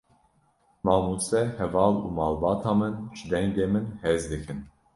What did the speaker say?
Mamoste, heval û malbata min, ji dengê min hez dikin.